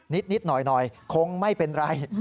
นิดหน่อยคงไม่เป็นไร